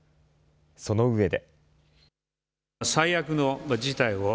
そのうえで。